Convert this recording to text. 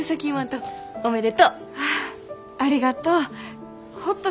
あっありがとう。